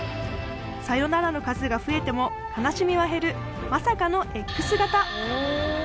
さよならの数が増えても悲しみは減るまさかのＸ型